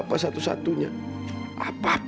taun ini lagi selesai aja ya ayah